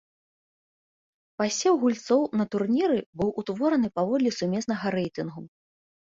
Пасеў гульцоў на турніры быў утвораны паводле сумеснага рэйтынгу.